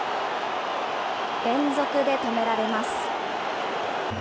連続で止められます。